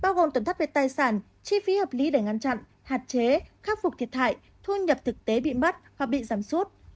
bao gồm tổn thất về tài sản chi phí hợp lý để ngăn chặn hạn chế khắc phục thiệt hại thu nhập thực tế bị mất hoặc bị giảm sút